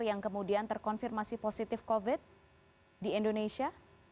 yang kemudian terkonfirmasi positif covid sembilan belas di indonesia